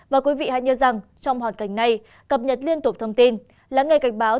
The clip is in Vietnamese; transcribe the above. và quý vị hãy nhớ rằng trong hoàn cảnh này cập nhật liên tục thông tin lắng nghe cảnh báo